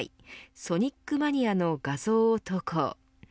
ソニックマニアの画像を投稿。